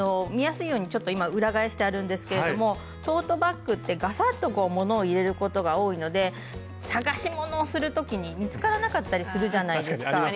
見やすいようにちょっと今裏返してあるんですけれどもトートバッグってガサッとこう物を入れることが多いので探し物をするときに見つからなかったりするじゃないですか。